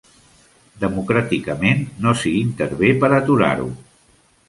Democràticament, no s'hi intervé per aturar-ho.